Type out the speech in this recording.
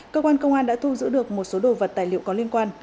cơ quan công an đã thu giữ được một số đồ vật tài liệu có liên quan